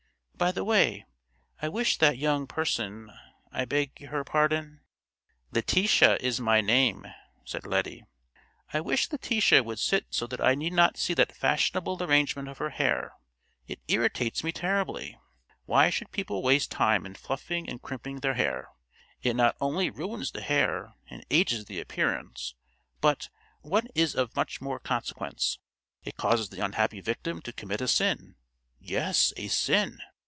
By the way, I wish that young person—I beg her pardon——" "Letitia is my name," said Lettie. "I wish Letitia would sit so that I need not see that fashionable arrangement of her hair—it irritates me terribly. Why should people waste time in fluffing and crimping their hair. It not only ruins the hair and ages the appearance, but, what is of much more consequence, it causes the unhappy victim to commit a sin—yes, a sin.